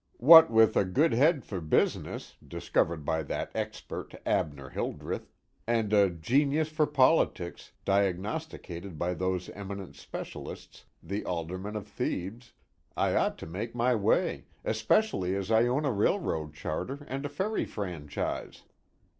What with a 'good head for business,' discovered by that expert, Abner Hildreth, and a 'genius for politics,' diagnosticated by those eminent specialists the aldermen of Thebes, I ought to make my way, especially as I own a railroad charter and a ferry franchise.